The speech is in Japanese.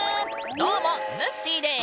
どうもぬっしーです！